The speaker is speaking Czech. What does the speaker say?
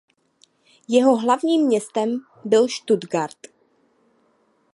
Jeho hlavním městem byl Stuttgart.